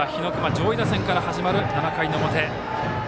上位打線から始まる７回の表。